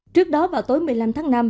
trước đó vào tối một mươi năm tháng năm